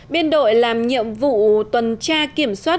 biên đội làm nhiệm vụ tuần tra kiểm soát